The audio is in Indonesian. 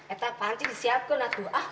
itu panci disiapkan aduh